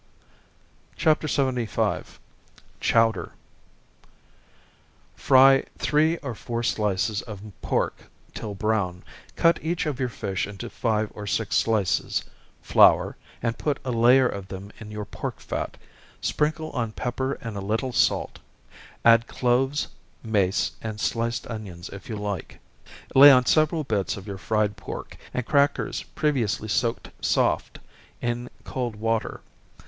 75. Chowder. Fry three or four slices of pork till brown cut each of your fish into five or six slices, flour, and put a layer of them in your pork fat, sprinkle on pepper and a little salt add cloves, mace, and sliced onions if you like lay on several bits of your fried pork, and crackers previously soaked soft in cold water.